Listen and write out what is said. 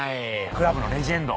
クラブのレジェンド。